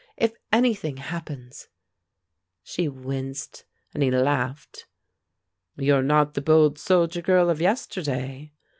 If anything happens " She winced, and he laughed. "You're not the bold soldier girl of yesterday!"